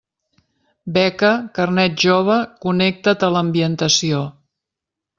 Beca Carnet Jove Connecta't a l'Ambientació.